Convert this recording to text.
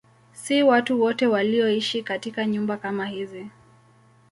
Si watu wote walioishi katika nyumba kama hizi.